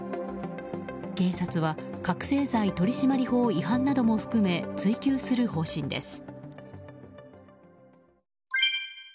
警察は覚醒剤取締法違反なども含め追及する方針です。